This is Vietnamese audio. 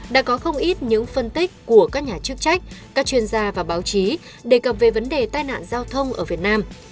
đã có không ít những phân tích của các nhà chức trách các chuyên gia và báo chí đề cập về vấn đề tai nạn giao thông ở việt nam